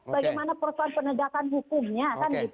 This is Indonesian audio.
bagaimana persoalan penegakan hukumnya